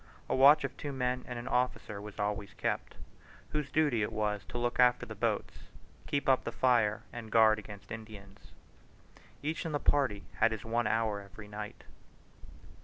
A watch of two men and an officer was always kept, whose duty it was to look after the boats, keep up the fire, and guard against Indians. Each in the party had his one hour every night.